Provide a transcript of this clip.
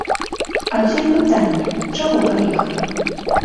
Адсюль пытанне, чаго паехалі?